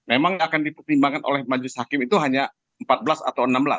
memang akan dipertimbangkan oleh majelis hakim itu hanya empat belas atau enam belas